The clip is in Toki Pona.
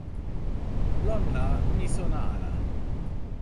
lon la mi sona ala.